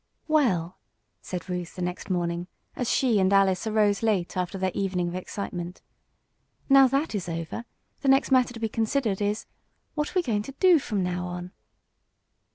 "Well," said Ruth the next morning, as she and Alice arose late after their evening of excitement, "now that is over, the next matter to be considered is: What are we going to do from now on?"